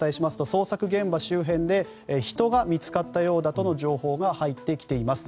捜索現場周辺で人が見つかったようだとの情報が入ってきています。